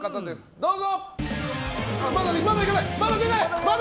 どうぞ！